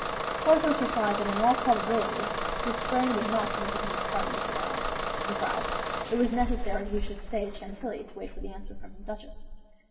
Porthos replied that in all probability his sprain would not permit him to depart yet awhile. Besides, it was necessary he should stay at Chantilly to wait for the answer from his duchess.